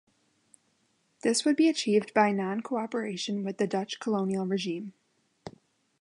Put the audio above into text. This would be achieved by non-cooperation with the Dutch colonial regime.